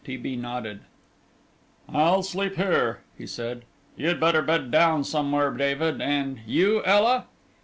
T. B. nodded. "I'll sleep here," he said. "You'd better bed down somewhere, David, and you, Ela?"